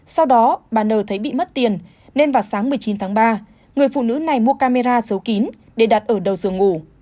sau đó bà n thấy bị mất tiền nên vào sáng một mươi chín tháng ba người phụ nữ này mua camera số kín để đặt ở đầu giường ngủ